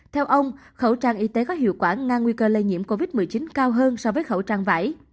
theo ông khẩu trang y tế có hiệu quả ngang nguy cơ lây nhiễm covid một mươi chín cao hơn so với khẩu trang vải